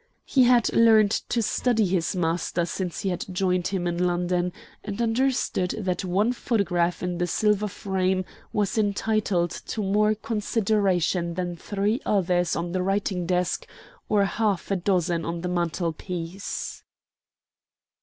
He had learned to study his master since he had joined him in London, and understood that one photograph in the silver frame was entitled to more consideration than three others on the writing desk or half a dozen on the mantel piece.